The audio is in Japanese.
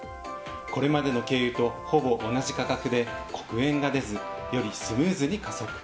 これまでの軽油とほぼ同じ価格で黒煙が出ず、よりスムーズに加速。